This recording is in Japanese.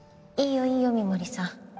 いいよいいよ三森さん。